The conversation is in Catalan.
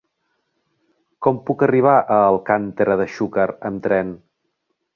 Com puc arribar a Alcàntera de Xúquer amb tren?